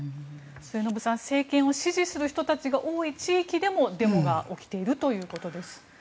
末延さん政権を支持する人たちが多い地域でもデモが起きているということです。